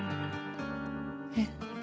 えっ。